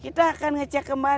kita akan mengerjakan semua itu